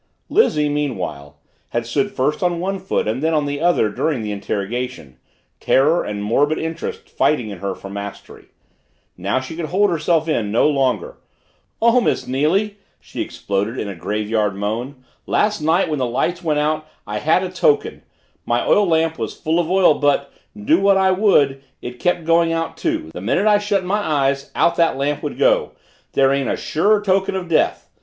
Lizzie, meanwhile, had stood first on one foot and then on the other during the interrogation, terror and morbid interest fighting in her for mastery. Now she could hold herself in no longer. "Oh, Miss Neily!" she exploded in a graveyard moan, "last night when the lights went out I had a token! My oil lamp was full of oil but, do what I would, it kept going out, too the minute I shut my eyes out that lamp would go. There ain't a surer token of death!